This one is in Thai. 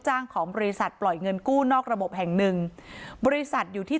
ของบริษัทปล่อยเงินกู้นอกระบบแห่งหนึ่งบริษัทอยู่ที่